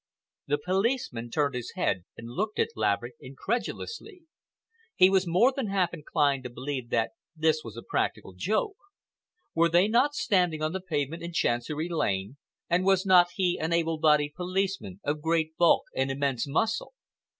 The policeman turned his head and looked at Laverick incredulously. He was more than half inclined to believe that this was a practical joke. Were they not standing on the pavement in Chancery Lane, and was not he an able bodied policeman of great bulk and immense muscle!